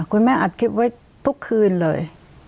คุณแม่อัดคลิปไว้ทุกคืนเลย